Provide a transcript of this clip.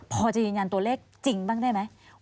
พอจะยืนยันตัวเลขจริงบ้างได้ไหม